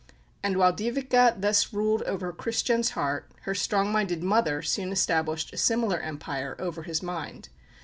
And while Dyveke thus ruled over Christian's heart, her strong minded mother soon established a similar empire over his mind.